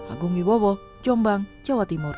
agung wibowo jombang jawa timur